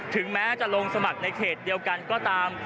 ถึงแม้จะลงสมัครในเขตเดียวกันก็ตาม